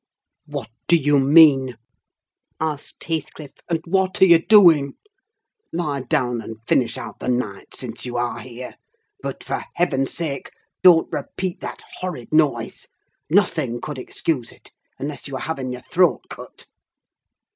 "What do you mean?" asked Heathcliff, "and what are you doing? Lie down and finish out the night, since you are here; but, for Heaven's sake! don't repeat that horrid noise: nothing could excuse it, unless you were having your throat cut!"